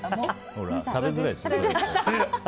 ほら、食べづらいですよね。